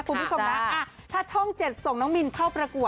คุณผู้ชมนะถ้าช่อง๗ส่งน้องมินเข้าประกวด